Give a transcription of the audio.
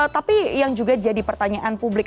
tapi yang juga jadi pertanyaan publik